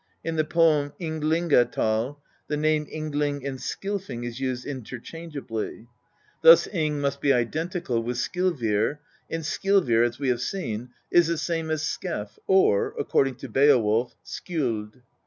In the poem Ynglinga tal, the name Yngling and Skilfing is used interchangeably. Thus Yng must be identical with Skilvir, and Skilvir, as we have seen, is the same as Scef, or, according to Beowulf, Skjold.